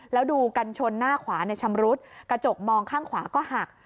แล้วดูกันชนหน้าขวาชำรุดกระจกมองข้างขวาก็หัก